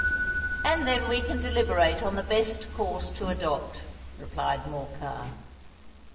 "And then we can deliberate on the best course to adopt," replied Morcar.